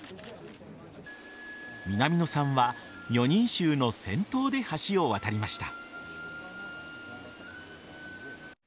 南野さんは女人衆の先頭で橋を渡りました。